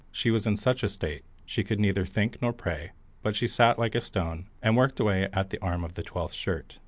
She was in such a state she could neither think nor pray, but she sat like a stone, and worked away at the arm of the twelfth shirt.